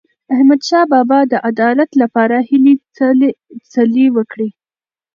احمدشاه بابا د عدالت لپاره هلې ځلې وکړې.